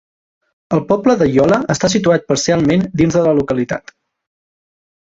El poble de Iola està situat parcialment dins de la localitat.